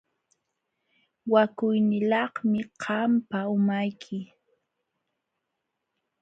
Wakuynilaqmi qampa umayki.